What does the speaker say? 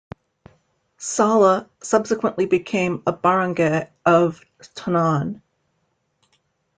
Sala subsequently became a barangay of Tanauan.